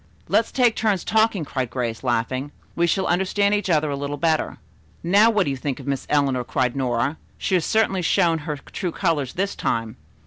"Let's take turns talking," cried Grace, laughing. "We shall understand each other a little better." "Now, what do you think of Miss Eleanor?" cried Nora. "She has certainly shown her true colors this time."